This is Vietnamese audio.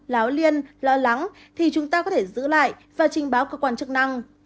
láo liên lo lắng thì chúng ta có thể giữ lại và trình báo cơ quan chức năng